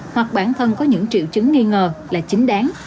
hoặc bản thân có những triệu chứng nghi ngờ là chính đáng